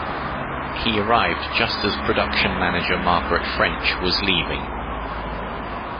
He arrived just as Production Manager Margaret French was leaving.